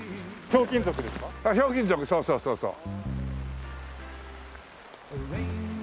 そうそうそうそう。